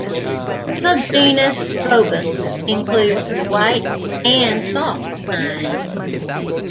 Subgenus "Strobus" includes the white and soft pines.